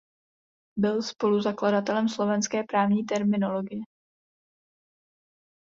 Byl spoluzakladatelem slovenské právní terminologie.